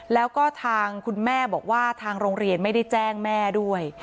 แล้วก็ทางคุณแม่บอกว่าทางโรงเรียนไม่ได้แจ้งแม่ด้วย